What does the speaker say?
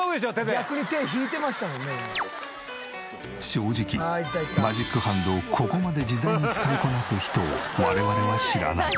正直マジックハンドをここまで自在に使いこなす人を我々は知らない。